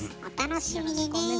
お楽しみにね。